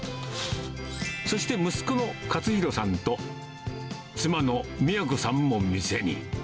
そして息子の勝弘さんと、妻のみやこさんも店に。